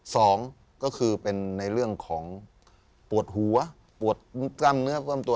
สองก็คือเป็นในเรื่องของปวดหัวปวดกล้ามเนื้อกล้ามตัว